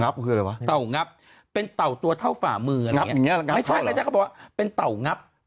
คืออะไรวะเต่างับเป็นเต่าตัวเท่าฝ่ามืองับอย่างนี้ละกันไม่ใช่ไม่ใช่เขาบอกว่าเป็นเต่างับ